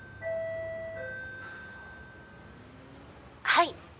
はい。